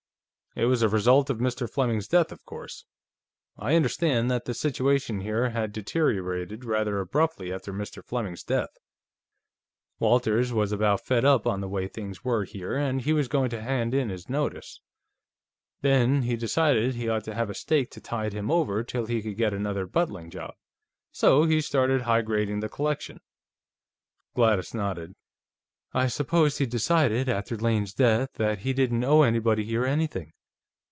It was a result of Mr. Fleming's death, of course. I understand that the situation here had deteriorated rather abruptly after Mr. Fleming's death. Walters was about fed up on the way things were here, and he was going to hand in his notice. Then he decided that he ought to have a stake to tide him over till he could get another buttling job, so he started higrading the collection." Gladys nodded. "I suppose he decided, after Lane's death, that he didn't owe anybody here anything.